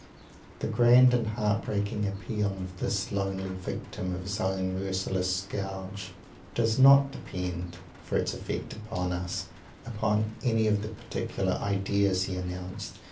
The grand and heart breaking appeal of this lonely Victim of his own merciless scourge, does not depend, for its effect upon us, upon any of the particular "ideas" he announced.